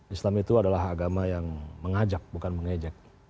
islam itu adalah agama yang mengajak bukan mengejek